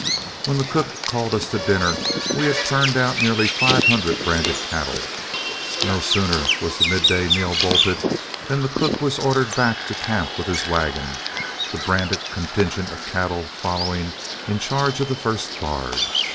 When the cook called us to dinner, we had turned out nearly five hundred branded cattle. No sooner was the midday meal bolted than the cook was ordered back to camp with his wagon, the branded contingent of cattle following in charge of the first guard.